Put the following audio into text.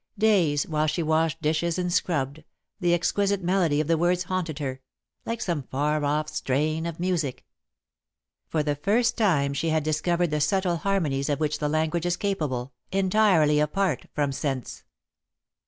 Days, while she washed dishes and scrubbed, the exquisite melody of the words haunted her, like some far off strain of music. For the first time she had discovered the subtle harmonies of which the language is capable, entirely apart from sense.